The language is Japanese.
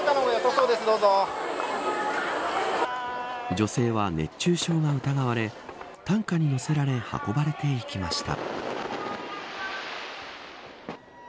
女性は熱中症が疑われ担架に乗せられ運ばれていきました。